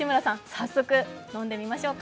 早速、飲んでみましょうか？